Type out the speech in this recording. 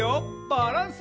バランス！